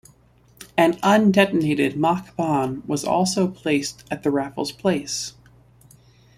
An undetonated mock bomb was also placed at the Raffles Place.